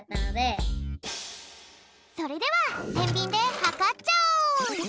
それではてんびんではかっちゃおう！